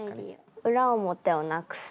裏表をなくすのは？